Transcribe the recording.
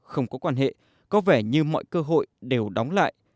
không có quan hệ có vẻ như mọi cơ hội đều đóng lại